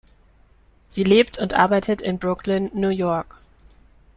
Sie lebt und arbeitet in Brooklyn, New York.